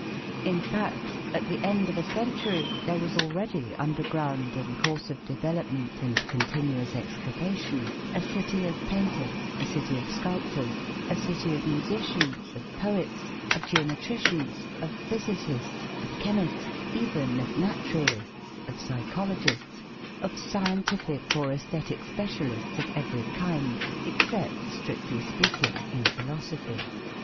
In fact, at the end of a century there was already underground in course of development and continuous excavation a city of painters, a city of sculptors, a city of musicians, of poets, of geometricians, of physicists, of chemists, even of naturalists, of psychologists, of scientific or æsthetic specialists of every kind, except, strictly speaking, in philosophy.